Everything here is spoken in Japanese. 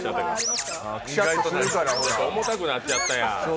重たくなっちゃったやん。